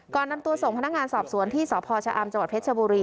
นำตัวส่งพนักงานสอบสวนที่สพชะอำจังหวัดเพชรชบุรี